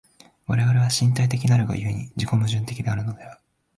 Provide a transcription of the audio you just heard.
我々は身体的なるが故に、自己矛盾的であるのである。